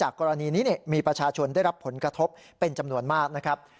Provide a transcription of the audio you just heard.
กรณีนี้มีประชาชนได้รับผลกระทบเป็นจำนวนมากนะครับ